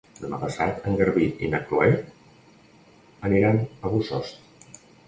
Demà passat en Garbí i na Chloé aniran a Bossòst.